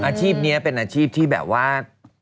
อาชีพนี้เป็นอาชีพที่แบบว่า